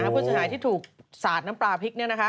ผู้เสียหายที่ถูกสาดน้ำปลาพริก